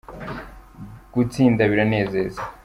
Gutsinda biranezeza.